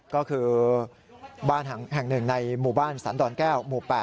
ก็คือบ้านแห่งหนึ่งในหมู่บ้านสันดอนแก้วหมู่๘